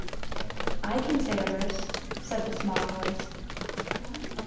"I can say a verse," said the small voice.